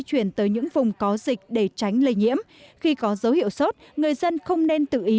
chuyển tới những vùng có dịch để tránh lây nhiễm khi có dấu hiệu sốt người dân không nên tự ý